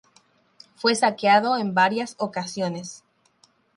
Fue saqueado en varias ocasiones.